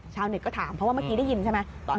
เน็ตก็ถามเพราะว่าเมื่อกี้ได้ยินใช่ไหม